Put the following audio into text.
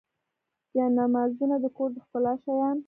جانمازونه د کور د ښکلا شیان.